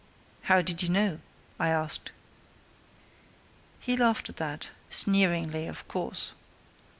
"How did you know?" I asked. He laughed at that sneeringly, of course.